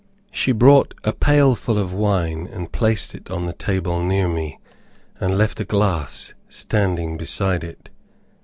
She brought a pailful of wine and placed it on the table near me, and left a glass standing beside it.